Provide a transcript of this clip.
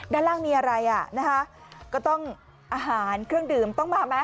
ด้านล่างมีอะไรอ่ะนะคะก็ต้องอาหารเครื่องดื่มต้องมาไหม